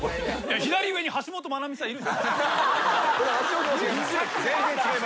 左上に橋本マナミさんいる。